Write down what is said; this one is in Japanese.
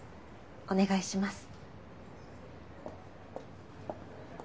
お願いします。